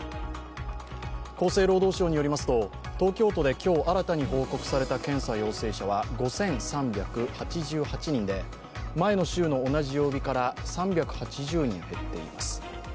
厚生労働省によりますと東京都で今日新たに報告された検査陽性者は５３８８人で、前の週の同じ曜日から３８０人減っています。